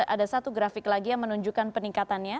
ada satu grafik lagi yang menunjukkan peningkatannya